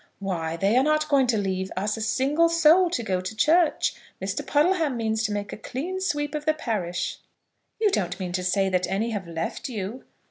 "Why, they are not going to leave us a single soul to go to church. Mr. Puddleham means to make a clean sweep of the parish." "You don't mean to say that any have left you?"